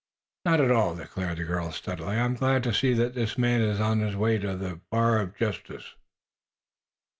"Not at all," declared the girl, steadily. "I am glad to see this man on his way to the bar of justice."